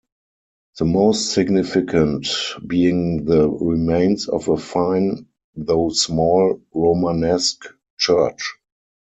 The most significant being the remains of a fine, though small Romanesque church.